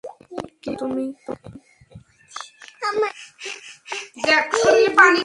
কী বলছো তুমি?